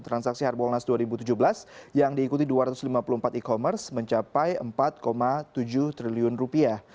transaksi harbolnas dua ribu tujuh belas yang diikuti dua ratus lima puluh empat e commerce mencapai empat tujuh triliun rupiah